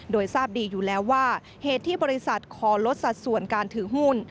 โดยทราบดีอยู่แล้วว่าเหตุที่บริษัทขอลดสัดส่วนการถือหุ้น